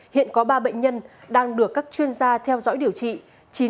hiện có ba bệnh nhân đang được các chuyên gia theo dõi điều trị